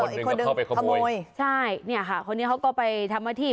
คนหนึ่งก็เข้าไปขโมยใช่เนี่ยค่ะคนนี้เขาก็ไปธรรมที่